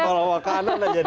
kalau makanan aja deh